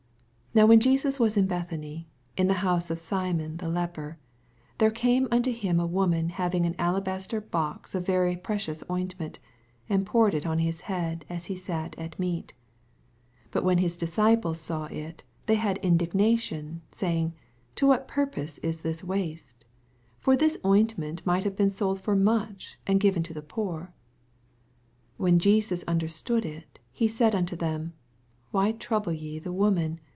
6 Now when Jesns was in Bethany, in the hoose of Simon the leper, 7 There came nnto him a woman having an alabaster box of very pre cious ointment, and poured it on his head, as he sat at meat. 8 But when his disciples saw Uy they had indignation, saymg, To what purpose is this waste I 9 For this ointment might have been sold for much, and given to the poor. 10 When Jesus understood it, he said nnto them, Why trouble ye the woman